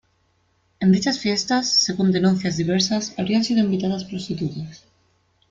En dichas fiestas según denuncias diversas habrían sido invitadas prostitutas.